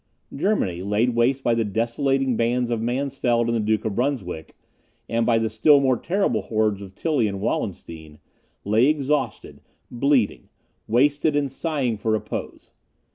Germany, laid waste by the desolating bands of Mansfeld and the Duke of Brunswick, and by the still more terrible hordes of Tilly and Wallenstein, lay exhausted, bleeding, wasted, and sighing for repose.